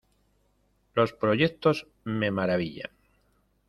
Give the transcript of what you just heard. Los proyectos me maravillan.